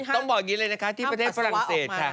ใช่ต้องบอกอย่างนี้เลยที่ประเทศฝรั่งเศส